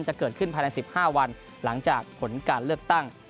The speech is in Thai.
จะเกิดขึ้นภายใน๑๕วันหลังจากผลการเลือกตั้ง